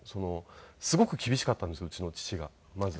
すごく厳しかったんですようちの父がまず。